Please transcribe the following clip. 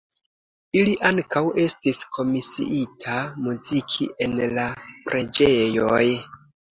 Ili ankaŭ estis komisiita muziki en la preĝejoj.